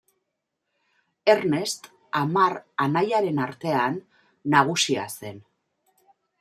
Ernest hamar anaiaren artean nagusia zen.